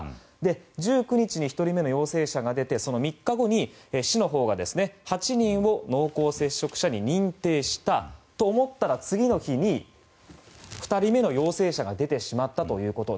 １９日に１人目の陽性者が出てその３日後に市のほうが８人を濃厚接触者に認定したと思ったら次の日に２人目の陽性者が出てしまったと。